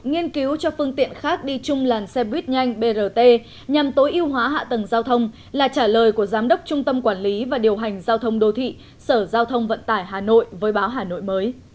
nghiên cứu cho phương tiện khác đi chung làn xe buýt nhanh brt nhằm tối ưu hóa hạ tầng giao thông là trả lời của giám đốc trung tâm quản lý và điều hành giao thông đô thị sở giao thông vận tải hà nội với báo hà nội mới